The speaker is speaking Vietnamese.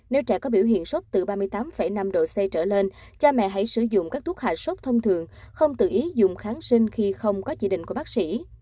nếu trẻ có biểu hiện sốt từ ba mươi tám năm độ c trở lên cha mẹ hãy sử dụng các thuốc hạ sốt thông thường không tự ý dùng kháng sinh khi không có chỉ định của bác sĩ